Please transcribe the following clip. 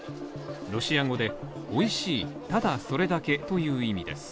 ロシア語で、「おいしい、ただそれだけ」という意味です。